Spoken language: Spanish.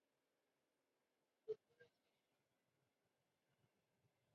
Se manifiesta por dolor e impotencia funcional.